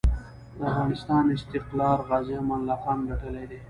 د افغانسان استقلار غازي امان الله خان ګټلی دی.